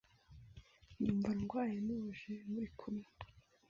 Numva ndwaye ntuje muri kumwe.